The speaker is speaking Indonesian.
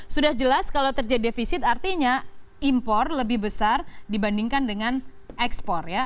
sudah jelas kalau terjadi defisit artinya impor lebih besar dibandingkan dengan ekspor ya